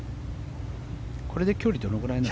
これで距離どのぐらいなの？